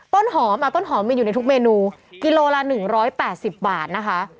ต้นหอมต้นหอมมีอยู่ในทุกเมนูกิโลละ๑๘๐บาทนะคะ